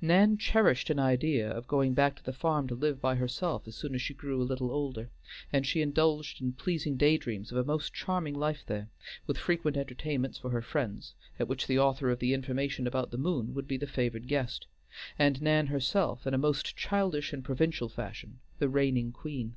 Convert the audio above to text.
Nan cherished an idea of going back to the farm to live by herself as soon as she grew a little older, and she indulged in pleasing day dreams of a most charming life there, with frequent entertainments for her friends, at which the author of the information about the moon would be the favored guest, and Nan herself, in a most childish and provincial fashion, the reigning queen.